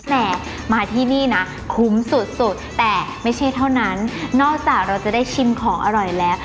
แหมมาที่นี่นะคุ้มสุดสุดแต่ไม่ใช่เท่านั้นนอกจากเราจะได้ชิมของอร่อยแล้ว